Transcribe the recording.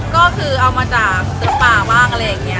ก็คือเอามาจากตึกป่าบ้างอะไรอย่างนี้